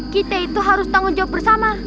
kita itu harus tanggung jawab bersama